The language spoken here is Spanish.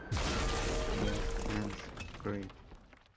Dead End Crew